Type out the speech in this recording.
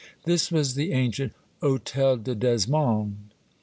This was the ancient Hotel de Nesmond.